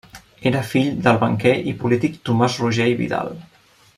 Era fill del banquer i polític Tomàs Roger i Vidal.